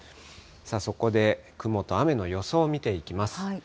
さあそこで、雲と雨の予想を見ていきます。